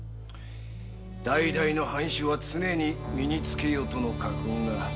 「代々の藩主は常に身につけよ」との家訓がある。